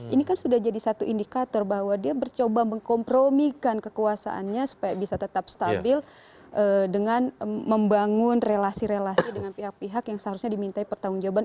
ini kan sudah jadi satu indikator bahwa dia mencoba mengkompromikan kekuasaannya supaya bisa tetap stabil dengan membangun relasi relasi dengan pihak pihak yang seharusnya dimintai pertanggung jawaban